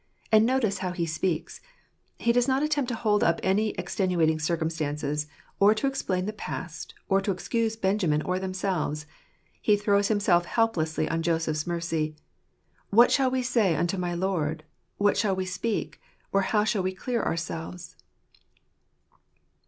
And notice how he speaks. He does not attempt to hold up any extenuating circumstances, or to explain the past, or to excuse Benjamin or themselves. He throws himself help lessly on Joseph's mercy: "What shall we say unto my lord? what shall we speak? or how shall we clear our selves